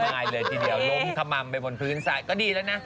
มากมายเลยทีเดียวล้มขมัมไปบนพื้นใสก็ดีละนะ